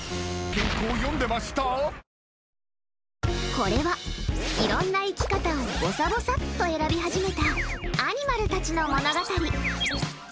これは、いろんな生き方をぼさぼさっと選び始めたアニマルたちの物語。